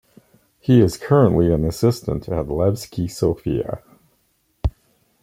He is currently an assistant at Levski Sofia.